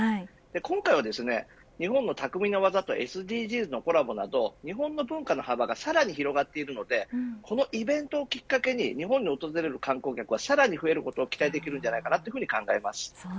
今回は日本の匠の技とＳＤＧｓのコラボなど日本の文化の幅がさらに広がっているのでこのイベントをきっかけに日本訪れる観光客が増えることを期待しています。